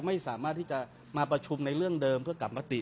ไม่สามารถที่จะมาประชุมในเรื่องเดิมเพื่อกลับมติ